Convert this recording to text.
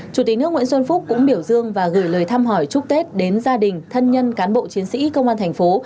chủ tịch nước nguyễn xuân phúc cũng biểu dương và gửi lời thăm hỏi chúc tết đến gia đình thân nhân cán bộ chiến sĩ công an thành phố